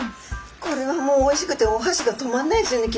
これはもうおいしくておはしが止まんないですよね